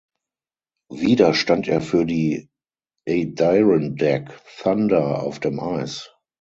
Wieder stand er für die Adirondack Thunder auf dem Eis.